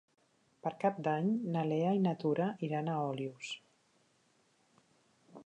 Per Cap d'Any na Lea i na Tura iran a Olius.